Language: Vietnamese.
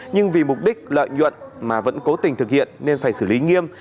nhưng vì mục đích lợi nhuận mà vẫn cố tình thực hiện nên phải xử lý nghiêm